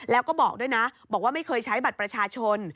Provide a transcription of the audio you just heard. แล้วก็บอกด้วยนะบอกว่าไม่เคยใช้บัตรประชาชน